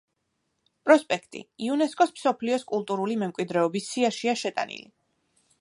პროსპექტი იუნესკოს მსოფლიოს კულტურული მემკვიდრეობის სიაშია შეტანილი.